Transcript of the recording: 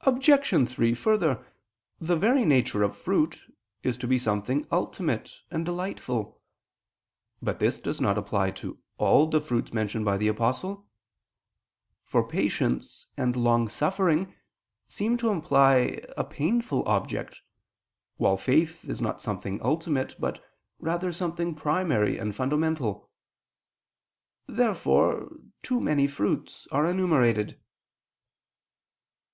Obj. 3: Further, the very nature of fruit is to be something ultimate and delightful. But this does not apply to all the fruits mentioned by the Apostle: for patience and long suffering seem to imply a painful object, while faith is not something ultimate, but rather something primary and fundamental. Therefore too many fruits are enumerated.